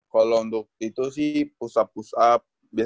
kalau untuk itu sih push up push up